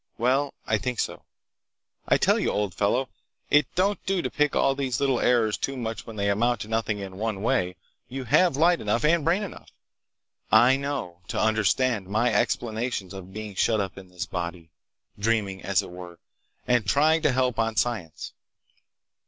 Well, I think so. I tell you, old fellow, it don't do to pick all these little errors too much when they amount to nothing in one way. You have light enough and brain enough, I know, to understand my explanations of being shut up in this body, dreaming, as it were, and trying to help on science."